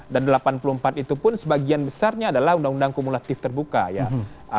dan delapan puluh empat itu pun sebagian besarnya adalah undang undang kumulatif terbuka ya